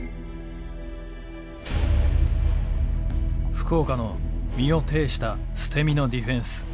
福岡の身を挺した捨て身のディフェンス。